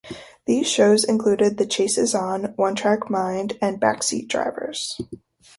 These shows included "The Chase is On", "One-Track Mind", and "Backseat Drivers".